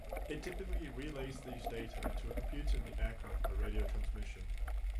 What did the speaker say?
It typically relays these data to a computer in the aircraft by radio transmission.